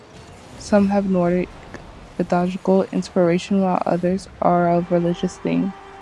Some have Nordic mythological inspiration, while other are of religious theme.